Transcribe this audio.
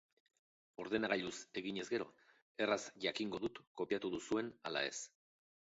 Ordenagailuz eginez gero, erraz jakingo dut kopiatu duzuen ala ez.